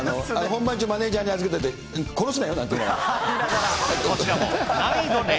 本番中、マネージャーに預けてて、殺すなよ、なんてね。